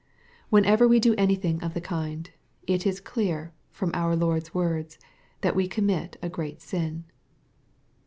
Whenever we do anything of the kind, it is clear, from our Lord's words, that we commit a great sin.